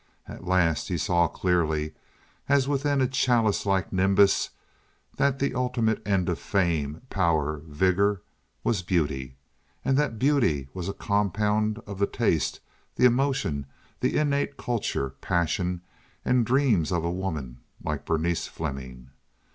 At last he saw clearly, as within a chalice like nimbus, that the ultimate end of fame, power, vigor was beauty, and that beauty was a compound of the taste, the emotion, the innate culture, passion, and dreams of a woman like Berenice Fleming.